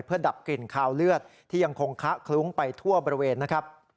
เพื่อดับกลิ่นคาวเลือดที่ยังคงค้าคลุ้งไปทั่วบริเวณนะครับ